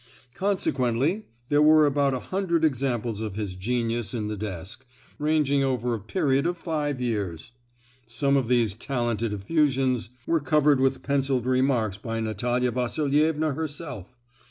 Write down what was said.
—consequently there were about a hundred examples of his genius in the desk, ranging over a period of five years. Some of these talented effusions were covered with pencilled remarks by Natalia Vasilievna herself!